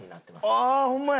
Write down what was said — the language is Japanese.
ああーホンマや！